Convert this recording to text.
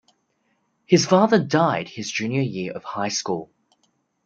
His father died his junior year of high school.